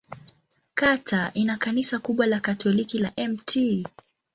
Kata ina kanisa kubwa la Katoliki la Mt.